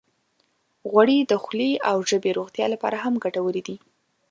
غوړې د خولې او ژبې روغتیا لپاره هم ګټورې دي.